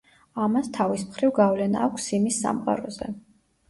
ამას, თავის მხრივ, გავლენა აქვს სიმის სამყაროზე.